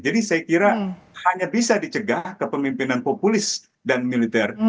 jadi saya kira hanya bisa dicegah kepemimpinan populis dan militer